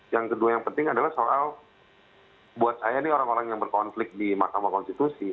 yang kedua yang penting adalah soal buat saya ini orang orang yang berkonflik di mahkamah konstitusi